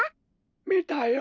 みたよ。